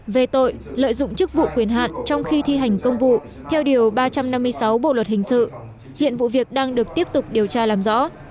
về tội lợi dụng chức vụ quyền hạn trong khi thi hành công vụ theo điều ba trăm năm mươi sáu bộ luật hình sự hiện vụ việc đang được tiếp tục điều tra làm rõ